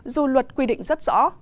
dù luật quy định rất rõ